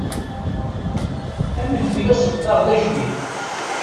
Ad neldi asebter d ajdid.